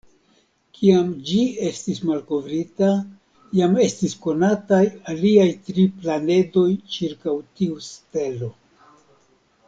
Kiam ĝi estis malkovrita, jam estis konataj aliaj tri planedoj ĉirkaŭ tiu stelo.